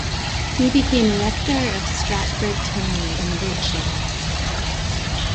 He became rector of Stratford Tony in Wiltshire.